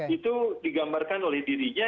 itu digambarkan oleh dirinya